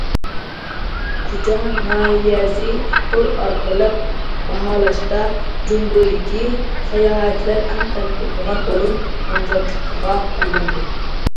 كۇچا ناھىيەسى تور ئارقىلىق باھالاشتا جۇڭگودىكى‹‹ ساياھەتچىلەر ئەڭ تەلپۈنىدىغان ئورۇن›› نامزاتلىقىغا تاللاندى.